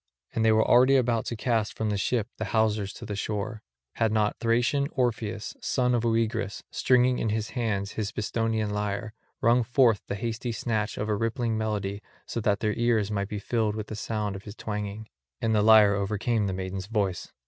And they were already about to cast from the ship the hawsers to the shore, had not Thracian Orpheus, son of Oeagrus, stringing in his hands his Bistonian lyre, rung forth the hasty snatch of a rippling melody so that their ears might be filled with the sound of his twanging; and the lyre overcame the maidens' voice.